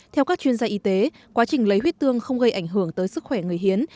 theo các chuyên gia y tế quá trình lấy huyết tương không gây ảnh hưởng tới sức khỏe người hiến